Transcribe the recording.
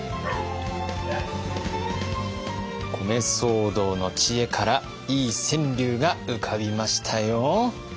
米騒動の知恵からいい川柳が浮かびましたよ。